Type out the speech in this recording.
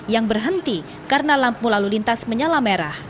yang berhenti karena lampu lalu lintas menyala merah